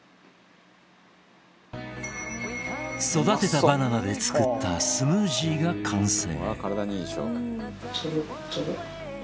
育てたバナナで作ったスムージーが完成。